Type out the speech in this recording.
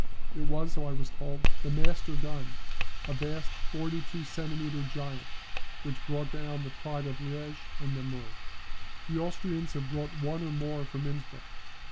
It was so I was told the master gun, the vast 42 centimetre giant which brought down the pride of Liége and Namur. The Austrians have brought one or more from Innsbruck.